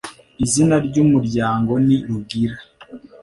izina ry umuryango ni rugira